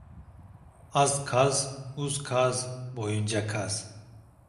Az kaz, uz kaz, boyunca kaz.